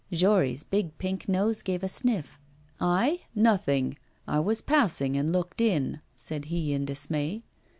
Jory's big pink nose gave a sniff. 'I? Nothing. I was passing and looked in,' said he in dismay.